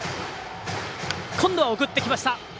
今度は送ってきました。